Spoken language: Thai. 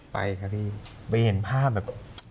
ไปค่ะพี่ไปเห็นภาพแบบ